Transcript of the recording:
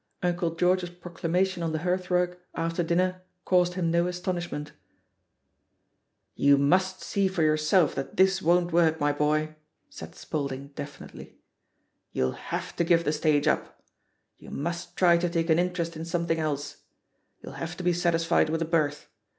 Uncle George's proclamation on the hearthrug, after dinner^ caused him no aston ishment. 56 THE POSITION OF PEGGY HARPER "You must see tor yourself that this won't work, my boy/* said Spaulding definitely; "you'll have to give the stage up. You must try to take an interest in something else — you'll have to be satisfied with a berth.